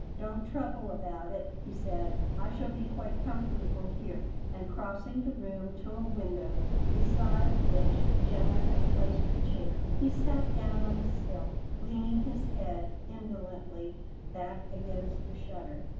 "Don't trouble about it," he said; "I shall be quite comfortable here"; and crossing the room to a window beside which Gemma had placed her chair, he sat down on the sill, leaning his head indolently back against the shutter.